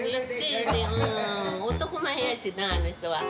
男前やしなあの人は。